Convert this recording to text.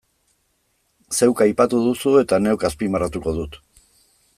Zeuk aipatu duzu eta neuk azpimarratuko dut.